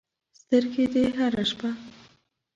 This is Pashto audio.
سترګې دې هره شپه